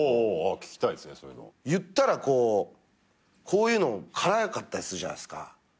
こういうの辛かったりするじゃないですか。